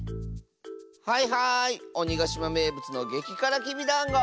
はいはいおにがしまめいぶつのげきからきびだんご。